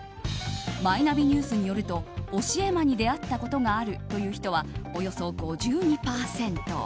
マイナビニュースによると教え魔に出会ったことがあるという人はおよそ５２％。